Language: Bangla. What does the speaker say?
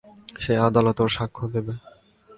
সে আদালতেও সাক্ষ্য দিবে।